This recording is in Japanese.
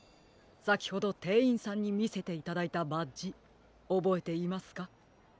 さきほどてんいんさんにみせていただいたバッジおぼえていますか？